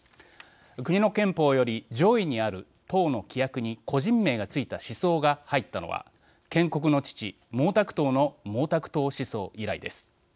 国の憲法より上位にある党の規約に個人名がついた思想が入ったのは建国の父、毛沢東の毛沢東思想以来です。